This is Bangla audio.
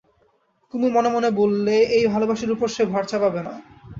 কুমু মনে মনে বললে, এই ভালোবাসার উপর সে ভার চাপাবে না।